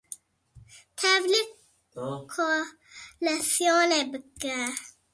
tevlî koleksiyonê bike.